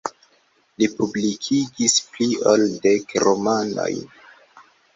Li publikigis pli ol dek romanojn.